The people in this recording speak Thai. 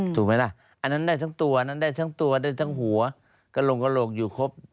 ถูกไหมล่ะอันนั้นได้ทั้งตัวอันนั้นได้ทั้งตัวได้ทั้งหัวกระโลงกระโหลกอยู่ครบ